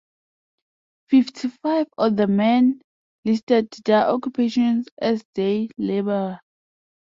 Fifty-five of the men listed their occupation as "day laborer".